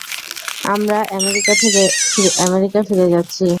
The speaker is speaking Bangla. আমরা আমেরিকা ফিরে যাচ্ছি।